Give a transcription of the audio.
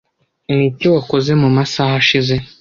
Niki wakoze mumasaha ashize?